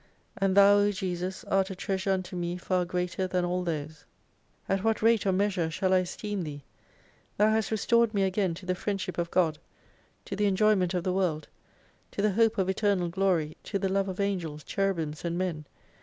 And Thou, O Jesus, art a treasure unto me far greater than all those. At what 56 rate or measure shall I esteem Thee ? Thou hast restored me again to the friendship of God, to the en joyment of the World, to the hope of Eternal Glory, to the love of Angels, Cherubims, and Men.